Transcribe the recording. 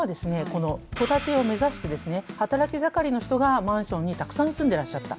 この戸建てを目指してですね働き盛りの人がマンションにたくさん住んでらっしゃった。